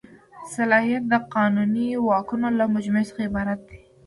صلاحیت د قانوني واکونو له مجموعې څخه عبارت دی.